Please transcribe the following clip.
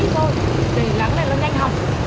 đậu này chỉ để hơn trăm cái thì lắng này nó nhanh hỏng